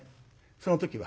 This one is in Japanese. その時は。